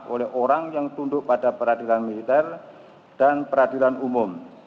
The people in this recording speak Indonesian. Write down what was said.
oleh orang yang tunduk pada peradilan militer dan peradilan umum